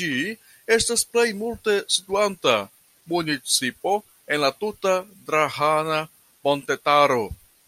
Ĝi estas plej multe situanta municipo en la tuta Drahana montetaro.